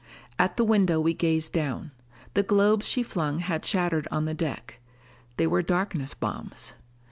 At the window we gazed down. The globes she flung had shattered on the deck. They were darkness bombs.